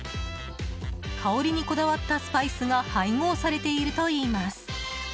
香りにこだわったスパイスが配合されているといいます。